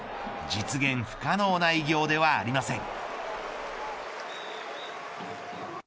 実現不可能な偉業ではありません。